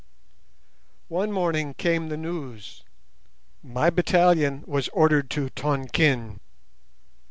"One morning came the news; my battalion was ordered to Tonquin.